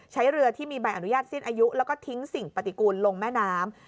ใช้เรือที่มีใบอนุญาตสิ้นอายุแล้วก็ทิ้งสิ่งปฏิกูลลงแม่น้ำ